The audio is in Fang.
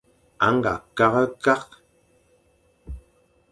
A nga kakh-e-kakh.